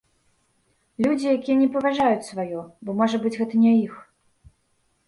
Людзі, якія не паважаюць сваё, бо, можа быць, гэта не іх.